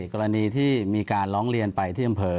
กรณีที่มีการร้องเรียนไปที่อำเภอ